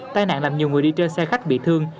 tai nạn làm nhiều người đi trên xe khách bị thương